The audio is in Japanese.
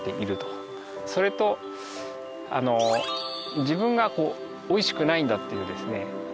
それと自分が美味しくないんだっていうですね